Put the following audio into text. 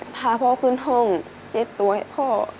พาพ่อขึ้นห้องเช็ดตัวให้พ่อ